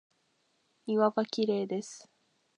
庭はきれいです。